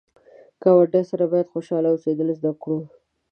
ګاونډي سره باید خوشحال اوسېدل زده کړو